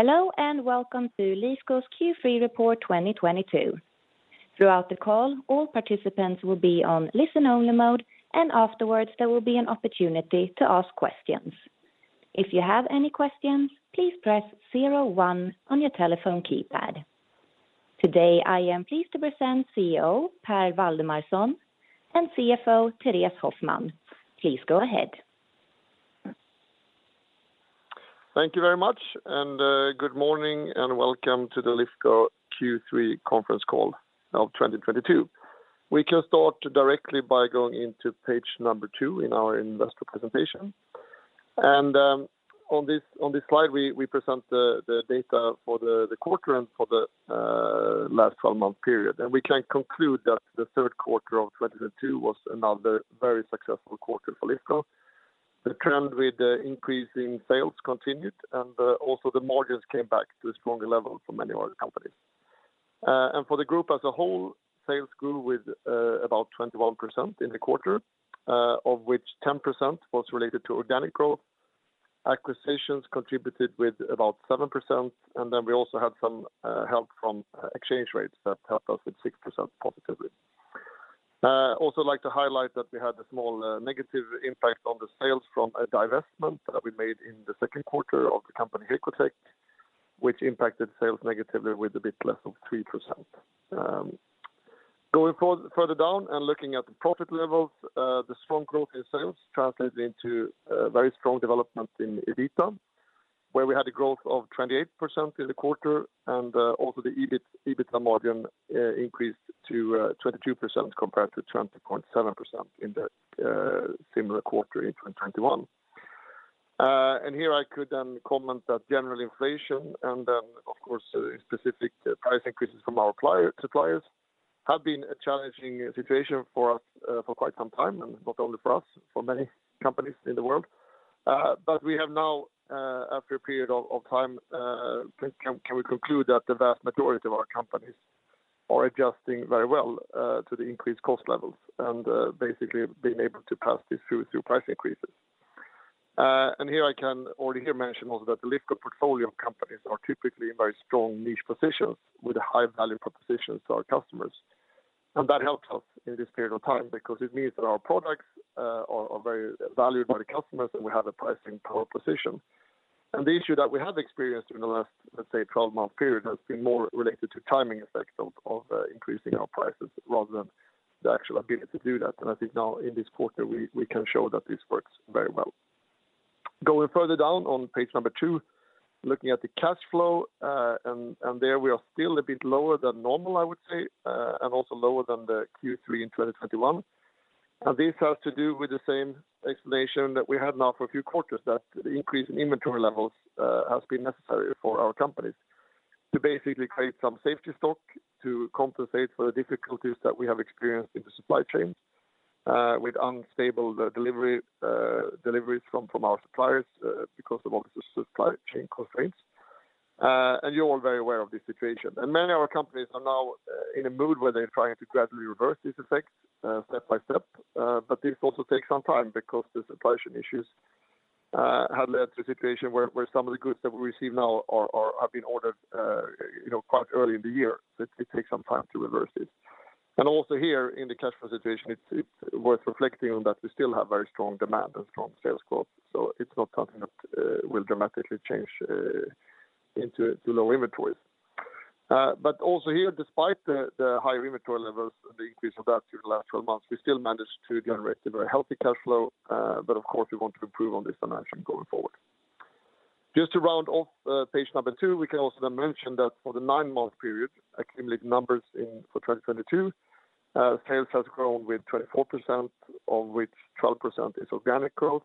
Hello, and welcome to Lifco's Q3 Report 2022. Throughout the call, all participants will be on listen only mode, and afterwards, there will be an opportunity to ask questions. If you have any questions, please press zero one on your telephone keypad. Today, I am pleased to present CEO Per Waldemarson and CFO Therése Hoffman. Please go ahead. Thank you very much, good morning and welcome to the Lifco Q3 conference call of 2022. We can start directly by going into page number two in our investor presentation. On this slide, we present the data for the quarter and for the last 12-month period. We can conclude that the third quarter of 2022 was another very successful quarter for Lifco. The trend with the increasing sales continued, and also the margins came back to a stronger level for many of our companies. For the group as a whole, sales grew with about 21% in the quarter, of which 10% was related to organic growth. Acquisitions contributed with about 7%, and then we also had some help from exchange rates that helped us with 6% positively. Also like to highlight that we had a small negative impact on the sales from a divestment that we made in the second quarter of the company Hekotek, which impacted sales negatively with a bit less of 3%. Going further down and looking at the profit levels, the strong growth in sales translated into a very strong development in EBITDA, where we had a growth of 28% in the quarter, and also the EBITDA margin increased to 22% compared to 20.7% in the similar quarter in 2021. Here I could then comment that general inflation and then, of course, specific price increases from our supplier, suppliers have been a challenging situation for us, for quite some time, and not only for us, for many companies in the world. We have now, after a period of time, can we conclude that the vast majority of our companies are adjusting very well, to the increased cost levels and, basically being able to pass this through to price increases. Here I can already hear mention also that the Lifco portfolio companies are typically in very strong niche positions with a high value proposition to our customers. That helps us in this period of time because it means that our products are very valued by the customers, and we have a pricing power position. The issue that we have experienced in the last, let's say, 12-month period has been more related to timing effects of increasing our prices rather than the actual ability to do that. I think now in this quarter, we can show that this works very well. Going further down on page number two, looking at the cash flow, and there we are still a bit lower than normal, I would say, and also lower than the Q3 in 2021. This has to do with the same explanation that we had now for a few quarters, that the increase in inventory levels has been necessary for our companies to basically create some safety stock to compensate for the difficulties that we have experienced in the supply chain with unstable deliveries from our suppliers because of obvious supply chain constraints. You're all very aware of this situation. Many of our companies are now in a mood where they're trying to gradually reverse this effect step by step. This also takes some time because the supply chain issues have led to a situation where some of the goods that we receive now are have been ordered, you know, quite early in the year. It takes some time to reverse it. Also here in the cash flow situation, it's worth reflecting on that we still have very strong demand and strong sales growth. It's not something that will dramatically change into to low inventories. But also here, despite the higher inventory levels and the increase of that through the last 12 months, we still managed to generate a very healthy cash flow. But of course, we want to improve on this dimension going forward. Just to round off, page number two, we can also mention that for the nine-month period, accumulated numbers in for 2022, sales has grown with 24%, of which 12% is organic growth.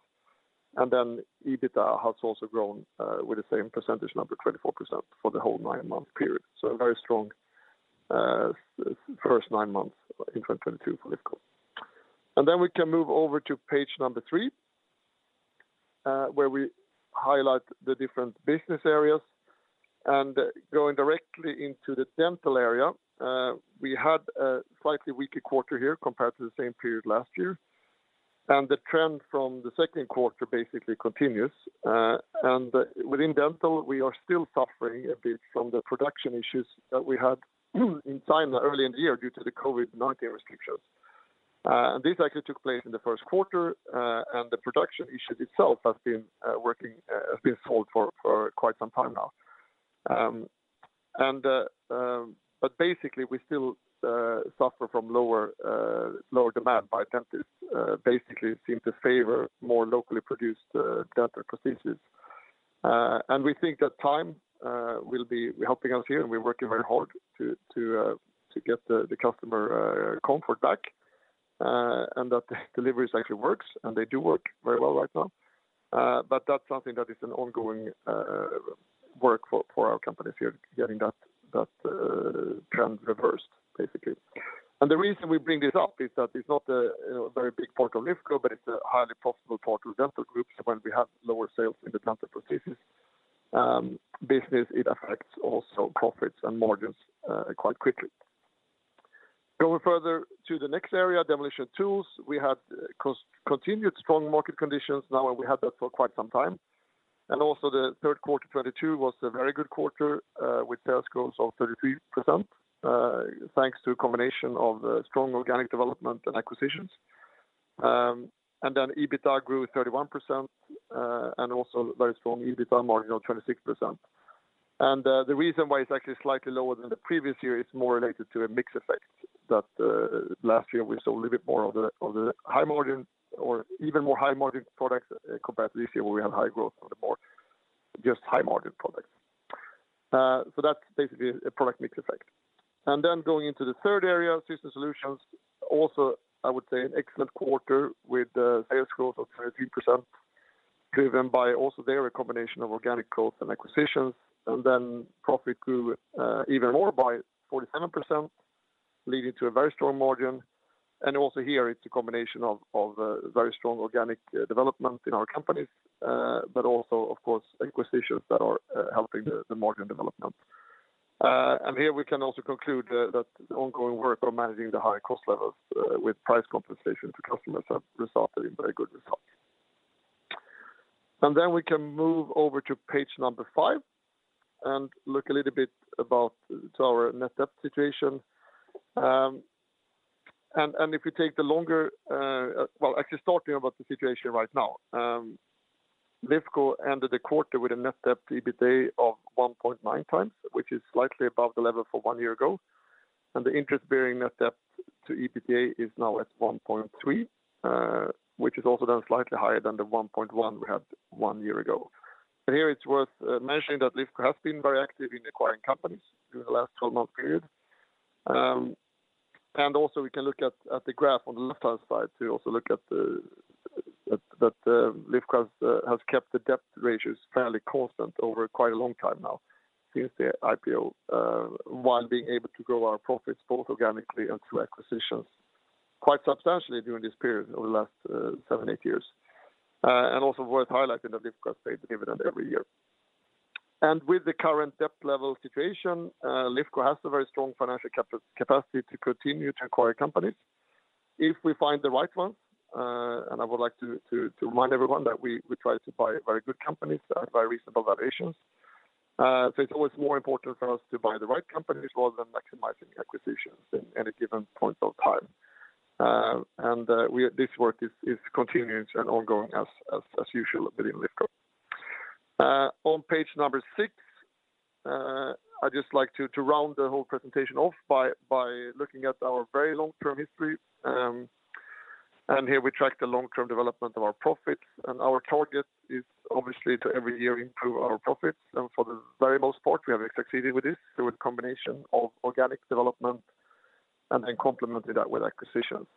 Then EBITDA has also grown with the same percentage number, 24% for the whole nine-month period. A very strong first nine months in 2022 for Lifco. We can move over to page number three, where we highlight the different business areas. Going directly into the Dental area, we had a slightly weaker quarter here compared to the same period last year. The trend from the second quarter basically continues. Within Dental, we are still suffering a bit from the production issues that we had in China early in the year due to the COVID-19 restrictions. This actually took place in the first quarter, and the production issue itself has been solved for quite some time now. Basically, we still suffer from lower demand by dentists. Dentists basically seem to favor more locally produced dental procedures. We think that time will be helping us here, and we're working very hard to get the customer comfort back, and that the delivery actually works, and they do work very well right now. That's something that is an ongoing work for our companies here, getting that trend reversed, basically. The reason we bring this up is that it's not a very big part of Lifco, but it's a highly profitable part of dental groups. When we have lower sales in the dental procedures business, it affects also profits and margins quite quickly. Going further to the next area, Demolition & Tools, we had continued strong market conditions now, and we had that for quite some time. Also the third quarter 2022 was a very good quarter with sales growth of 33%, thanks to a combination of strong organic development and acquisitions. EBITDA grew 31%, and also very strong EBITDA margin of 26%. The reason why it's actually slightly lower than the previous year is more related to a mix effect that last year we sold a little bit more of the high margin or even more high margin products, compared to this year where we had high growth on the more just high margin products. That's basically a product mix effect. Going into the third area, Systems Solutions, also I would say an excellent quarter with sales growth of 33% driven by also there a combination of organic growth and acquisitions. Profit grew even more by 47% leading to a very strong margin. Here it's a combination of very strong organic development in our companies, but also of course, acquisitions that are helping the margin development. Here we can also conclude that the ongoing work on managing the high-cost levels with price compensation to customers have resulted in very good results. We can move over to page number five and look a little bit about our net debt situation. Actually starting about the situation right now, Lifco ended the quarter with a net debt to EBITDA of 1.9x, which is slightly above the level for one year ago. The interest bearing net debt to EBITDA is now at 1.3, which is also then slightly higher than the 1.1 we had one year ago. Here it's worth mentioning that Lifco has been very active in acquiring companies during the last 12-month period. We can look at the graph on the left-hand side to also look at that Lifco has kept the debt ratios fairly constant over quite a long time now since the IPO, while being able to grow our profits both organically and through acquisitions quite substantially during this period over the last seven, eight years. It is also worth highlighting that Lifco has paid a dividend every year. With the current debt level situation, Lifco has a very strong financial capacity to continue to acquire companies if we find the right ones. I would like to remind everyone that we try to buy very good companies at very reasonable valuations. It's always more important for us to buy the right companies rather than maximizing acquisitions at any given point of time. This work is continuous and ongoing as usual within Lifco. On page number six, I'd just like to round the whole presentation off by looking at our very long-term history. Here we track the long-term development of our profits, and our target is obviously to every year improve our profits. For the very most part, we have succeeded with this through a combination of organic development and then complemented that with acquisitions.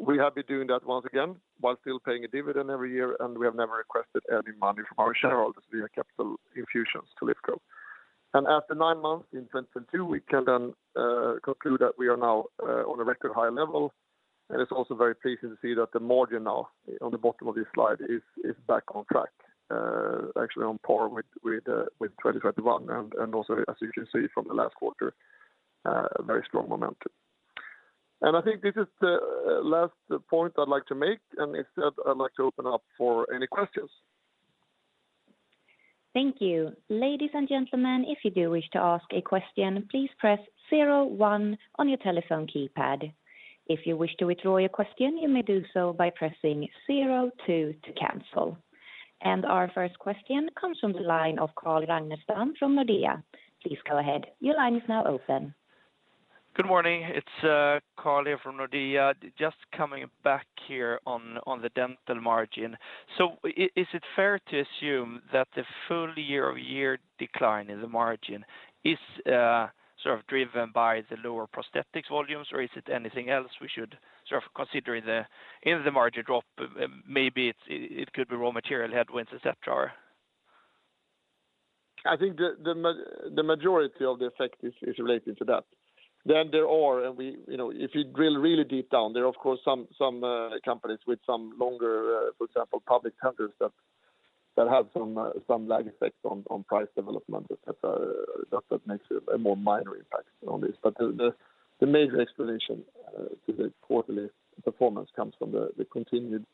We have been doing that once again while still paying a dividend every year, and we have never requested any money from our shareholders via capital infusions to Lifco. After nine months in 2022, we can then conclude that we are now on a record high level. It's also very pleasing to see that the margin now on the bottom of this slide is back on track, actually on par with 2021. Also as you can see from the last quarter, a very strong momentum. I think this is the last point I'd like to make, and instead I'd like to open up for any questions. Thank you. Ladies and gentlemen, if you do wish to ask a question, please press zero one on your telephone keypad. If you wish to withdraw your question, you may do so by pressing zero two to cancel. Our first question comes from the line of Carl Ragnerstam from Nordea. Please go ahead. Your line is now open. Good morning. It's Carl here from Nordea. Just coming back here on the Dental margin. Is it fair to assume that the full year-over-year decline in the margin is sort of driven by the lower prosthetics volumes, or is it anything else we should sort of consider in the margin drop? Maybe it could be raw material headwinds, et cetera. I think the majority of the effect is related to that. There are, and we, you know, if you drill really deep down, there are of course some companies with some longer, for example, public tenders that have some lag effects on price development, et cetera, that makes a more minor impact on this. The major explanation to the quarterly performance comes from the continued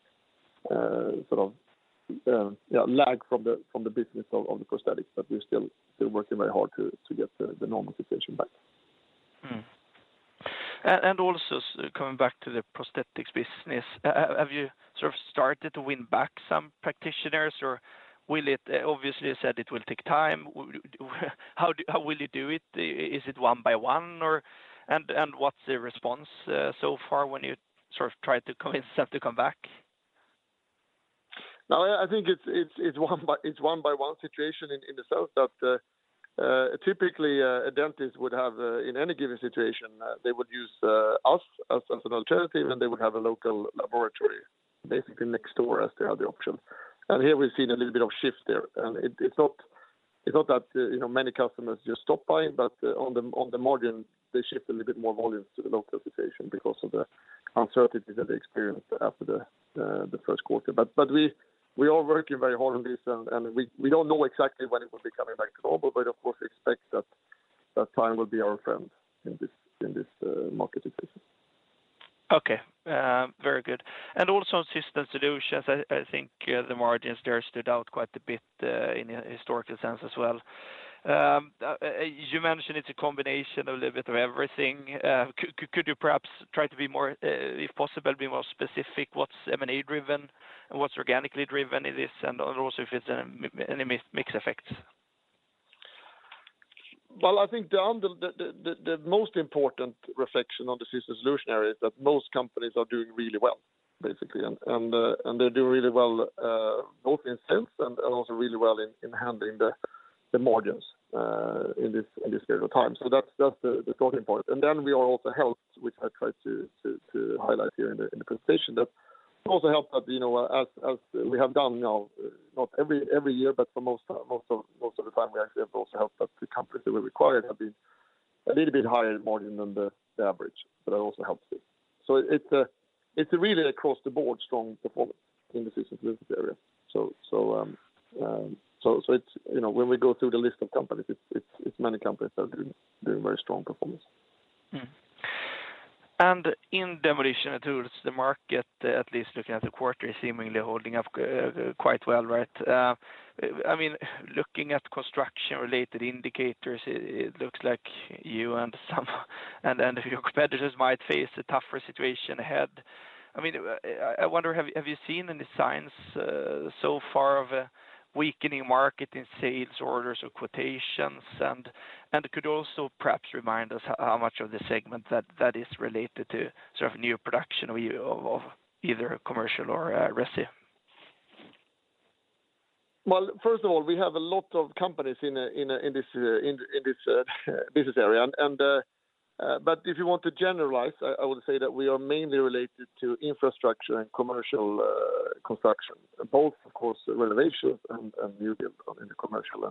sort of lag from the business of the prosthetics. We're still working very hard to get the normal situation back. Coming back to the prosthetics business, have you sort of started to win back some practitioners, or will it obviously, you said it will take time? How will you do it? Is it one by one, and what's the response so far when you sort of try to convince them to come back? No, I think it's one by one situation in itself that typically a dentist would have in any given situation, they would use us as an alternative, and they would have a local laboratory basically next door as they have the option. Here we've seen a little bit of shift there. It's not that, you know, many customers just stop buying, but on the margin, they shift a little bit more volumes to the local situation because of the uncertainty that they experienced after the first quarter. We are working very hard on this and we don't know exactly when it will be coming back to normal, but of course, expect that time will be our friend in this market situation. Okay. Very good. Also on Systems Solutions, I think the margins there stood out quite a bit in a historical sense as well. You mentioned it's a combination a little bit of everything. Could you perhaps try to be more specific, if possible, what's M&A driven and what's organically driven in this, and also if it's any mix effects? Well, I think the most important reflection on the Systems Solutions area is that most companies are doing really well, basically. They're doing really well both in sales and also really well in handling the margins in this period of time. That's the talking point. We are also helped, which I tried to highlight here in the presentation, that it also helped that, you know, as we have done now, not every year, but for most of the time, we actually have also helped that the companies that we acquired have been a little bit higher margin than the average. That also helps this. It's really across the board strong performance in the Systems Solutions area. It's, you know, when we go through the list of companies, it's many companies that are doing very strong performance. In Demolition & Tools, the market, at least looking at the quarter, is seemingly holding up quite well, right? I mean, looking at construction-related indicators, it looks like you and some of your competitors might face a tougher situation ahead. I mean, I wonder, have you seen any signs so far of a weakening market in sales orders or quotations? Could you also perhaps remind us how much of the segment that is related to sort of new production or of either commercial or residential? Well, first of all, we have a lot of companies in this business area. If you want to generalize, I would say that we are mainly related to infrastructure and commercial construction, both, of course, renovations and new build on the commercial.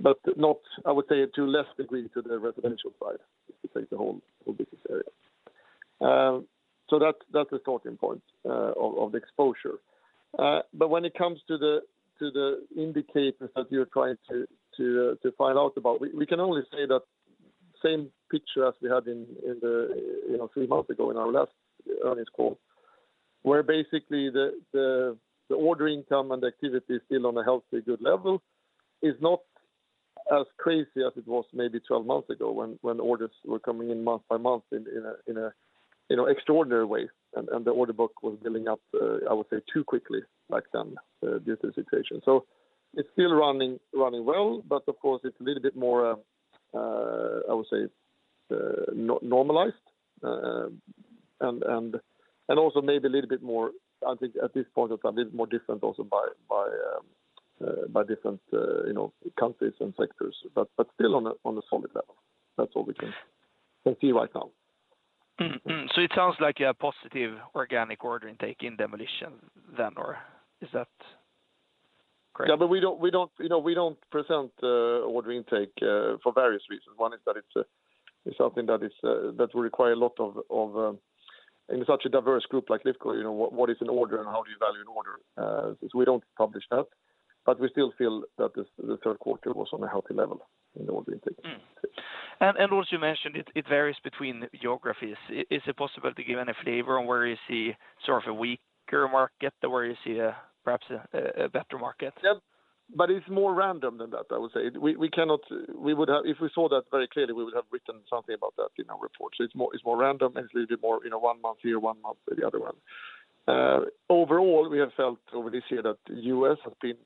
Not, I would say, to a less degree to the residential side, if you take the whole business area. That's the starting point of the exposure. When it comes to the indicators that you're trying to find out about, we can only say that same picture as we had in the you know three months ago in our last earnings call, where basically the ordering coming and the activity is still on a healthy, good level. It's not as crazy as it was maybe 12 months ago when orders were coming in month by month in a you know extraordinary way, and the order book was building up. I would say too quickly back then due to the situation. It's still running well, but of course, it's a little bit more. I would say normalized. Also maybe a little bit more, I think at this point, it's a little more different also by different, you know, countries and sectors, but still on a solid level. That's all we can see right now. It sounds like you have positive organic order intake in Demolition then, or is that correct? Yeah, you know, we don't present order intake for various reasons. One is that it's something that will require a lot of in such a diverse group like Lifco, you know, what is an order and how do you value an order. We don't publish that, but we still feel that the third quarter was on a healthy level in the order intake. Also you mentioned it varies between geographies. Is it possible to give any flavor on where you see sort of a weaker market or where you see perhaps a better market? Yeah. It's more random than that, I would say. If we saw that very clearly, we would have written something about that in our report. It's more random, and it's a little bit more, you know, one month here, one month the other one. Overall, we have felt over this year that U.S. has been,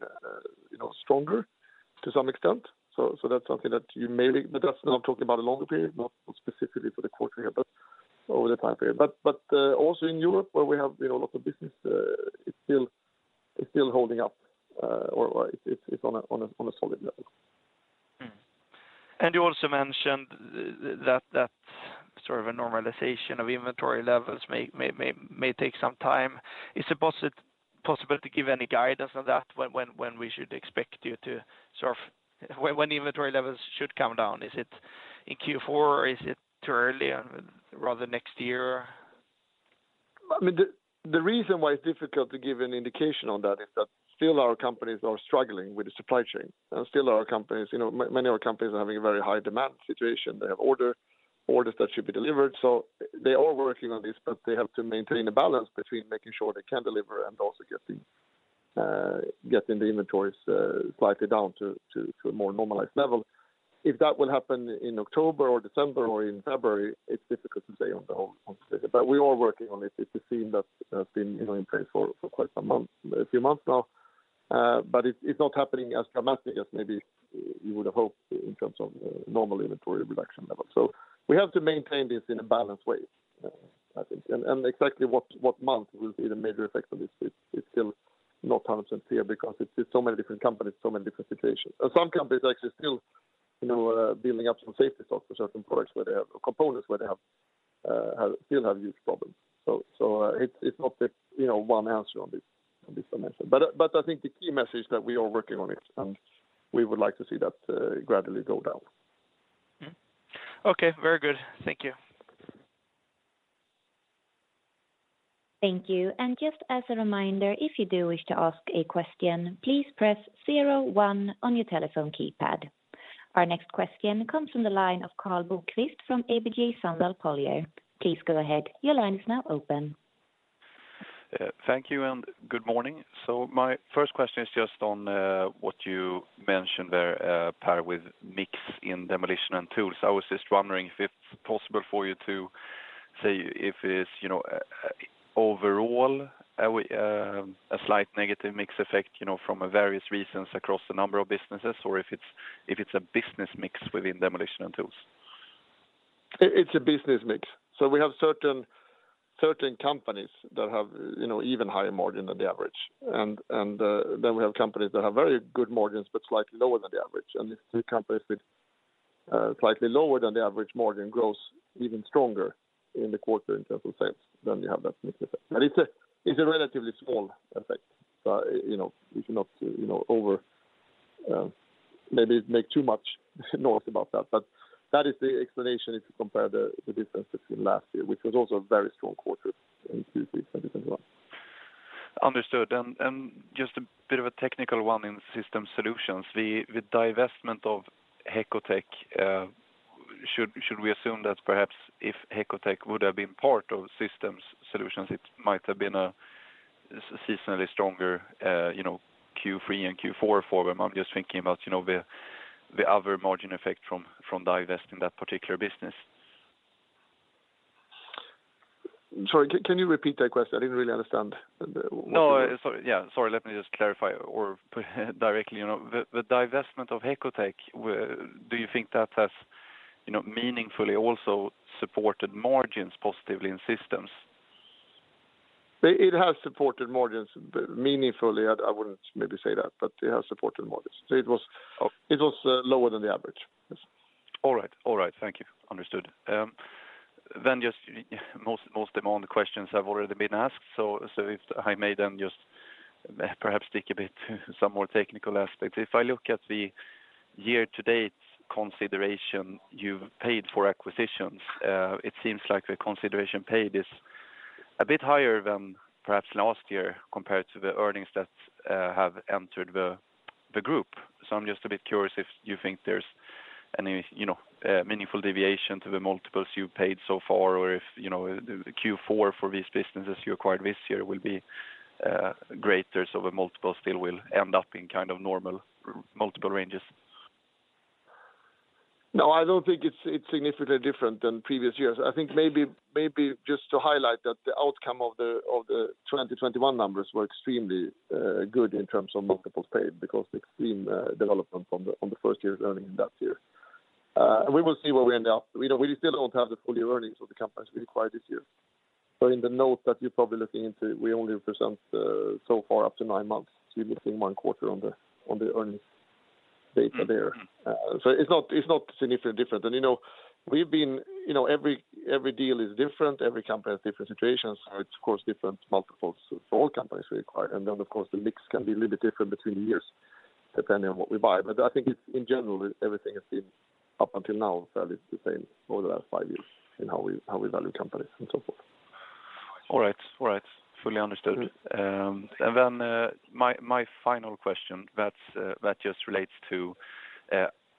you know, stronger to some extent. That's something that you may. That's not talking about a longer period, not specifically for the quarter here, but over the time period. Also, in Europe where we have, you know, a lot of business, it's still holding up, or it's on a solid level. You also mentioned that that sort of a normalization of inventory levels may take some time. Is it possible to give any guidance on that, when we should expect you to sort of, when inventory levels should come down? Is it in Q4, or is it too early and rather next year? I mean, the reason why it's difficult to give an indication on that is that still our companies are struggling with the supply chain, and still our companies, you know, many of our companies are having a very high demand situation. They have orders that should be delivered. They are working on this, but they have to maintain a balance between making sure they can deliver and also getting the inventories slightly down to a more normalized level. If that will happen in October or December or in February, it's difficult to say on the whole, on this. We are working on it. It's a theme that has been, you know, in place for quite some month, a few months now. It's not happening as dramatically as maybe we would have hoped in terms of normal inventory reduction level. We have to maintain this in a balanced way, I think. Exactly what month will be the major effect of this, it's still not 100% clear because it's so many different companies, so many different situations. Some companies are actually still, you know, building up some safety stock for certain products where they have components where they have still have huge problems. It's not the, you know, one answer on this dimension. I think the key message that we are working on it, and we would like to see that gradually go down. Okay, very good. Thank you. Thank you. Just as a reminder, if you do wish to ask a question, please press zero one on your telephone keypad. Our next question comes from the line of Karl Bokvist from ABG Sundal Collier. Please go ahead. Your line is now open. Thank you and good morning. My first question is just on what you mentioned there, Per with mix in Demolition & Tools. I was just wondering if it's possible for you to say if it's, you know, overall a slight negative mix effect, you know, from various reasons across the number of businesses or if it's a business mix within Demolition & Tools? It's a business mix. We have certain companies that have, you know, even higher margin than the average. We have companies that have very good margins, but slightly lower than the average. The companies with slightly lower than the average margin grows even stronger in the quarter in terms of sales than you have that mix effect. It's a relatively small effect. You know, we cannot, you know, over, maybe make too much noise about that. That is the explanation if you compare the differences in last year, which was also a very strong quarter in Q3 as well. Understood. Just a bit of a technical one in Systems Solutions. The divestment of Hekotek, should we assume that perhaps if Hekotek would have been part of Systems Solutions, it might have been a seasonally stronger, you know, Q3 and Q4 for them? I'm just thinking about, you know, the other margin effect from divesting that particular business. Sorry. Can you repeat that question? I didn't really understand. No. Sorry. Yeah, sorry. Let me just clarify or put it directly. You know, the divestment of Hekotek, do you think that has, you know, meaningfully also supported margins positively in systems? It has supported margins, but meaningfully, I wouldn't maybe say that, but it has supported margins. Oh. It was lower than the average. Yes. All right. Thank you. Understood. Most of all the questions have already been asked. If I may just perhaps dig a bit some more technical aspects. If I look at the year-to-date consideration you've paid for acquisitions, it seems like the consideration paid is a bit higher than perhaps last year compared to the earnings that have entered the group. I'm just a bit curious if you think there's any, you know, meaningful deviation to the multiples you paid so far, or if, you know, the Q4 for these businesses you acquired this year will be greater, so the multiple still will end up in kind of normal multiple ranges. No, I don't think it's significantly different than previous years. I think maybe just to highlight that the outcome of the 2021 numbers were extremely good in terms of multiples paid because the extreme development from the first year's earnings in that year. We will see where we end up. We don't really have the full year earnings of the companies we acquired this year. In the notes that you're probably looking into, we only present so far up to nine months. You're looking one quarter on the earnings data there. Mm-hmm. It's not significantly different. You know, every deal is different, every company has different situations. It's of course different multiples for all companies we acquire. Then, of course, the mix can be a little bit different between years depending on what we buy. I think it's in general everything has been up until now fairly the same for the last five years in how we value companies and so forth. All right. All right. Fully understood. Mm-hmm. My final question that just relates to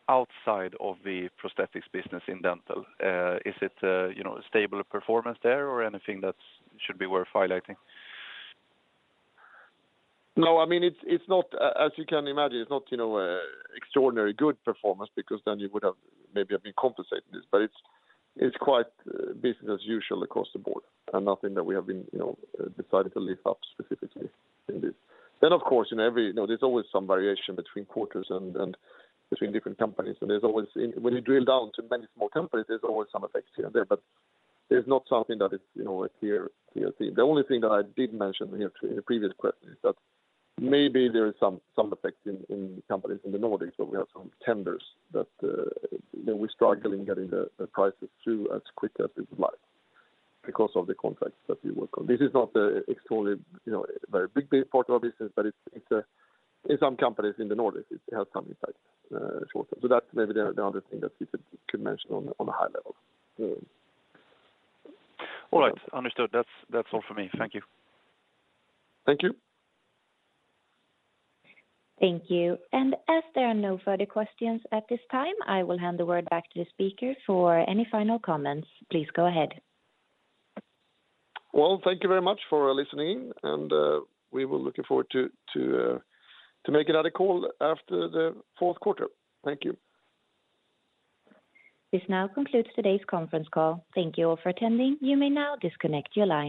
outside of the prosthetics business in Dental, is it, you know, a stable performance there or anything that should be worth highlighting? No, I mean, it's not. As you can imagine, it's not, you know, extraordinarily good performance because then you would have maybe been compensating this. It's quite business as usual across the board and nothing that we haven't, you know, decided to lift up specifically in this. Of course, you know, there's always some variation between quarters and between different companies. There's always, when you drill down to many small companies, there's always some effects here and there, but there's not something that is, you know, a clear thing. The only thing that I did mention here in a previous question is that maybe there is some effect in companies in the Nordics, where we have some tenders that, you know, we struggle in getting the prices through as quick as we would like because of the contracts that we work on. This is not a extraordinary, you know, very big part of our business, but it's a in some companies in the Nordics, it has some impact, shorter. That's maybe the other thing that we could mention on a high level. Yeah. All right. Understood. That's all for me. Thank you. Thank you. Thank you. As there are no further questions at this time, I will hand the word back to the speaker for any final comments. Please go ahead. Well, thank you very much for listening in, and we will looking forward to make another call after the fourth quarter. Thank you. This now concludes today's conference call. Thank you all for attending. You may now disconnect your line.